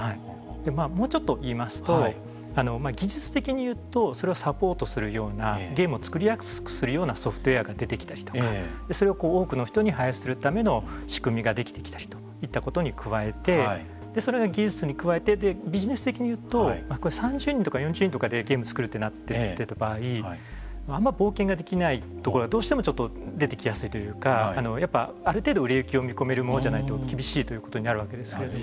もうちょっと言いますと技術的にいうとそれはサポートするようなゲームを作りやすくするようなソフトウエアが出てきたりとかそれを多くの人に配布するための仕組みができてきたりといったことに加えてそれらの技術に加えてビジネス的に言うと３０人とか４０人とかでゲームを作るとなった場合あんまり冒険ができないところがどうしてもちょっと出てきやすいというかやっぱり、ある程度、売れ行きが見込めるものじゃないと厳しいということになるわけですけれども。